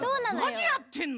なにやってんの？